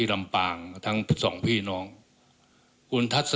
ยังคงอยู่เผื่อไทย